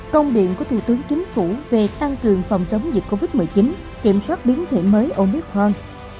công điện của thủ tướng chính phủ về tăng cường phòng chống dịch covid một mươi chín kiểm soát biến thể mới ôn biết khoan